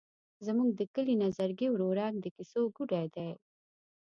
زموږ د کلي نظرګي ورورک د کیسو ګوډی دی.